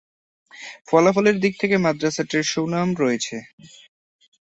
ফলাফলের দিক থেকে মাদ্রাসাটির সুনাম রয়েছে।